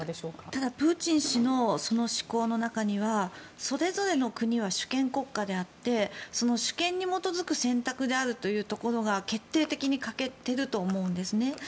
ただ、プーチン氏のその思考の中にはそれぞれの国は主権国家であって主権に基づく選択であるということが決定的に欠けていると思うんですね。